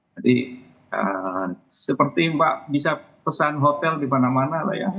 jadi seperti pak bisa pesan hotel di mana mana lah ya